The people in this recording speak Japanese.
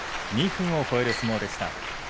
２分を超える相撲でした。